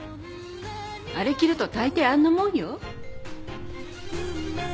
あれ着るとたいていあんなもんよ。